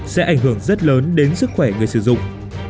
sẽ ảnh hưởng rất lớn đến sức khỏe người sử dụng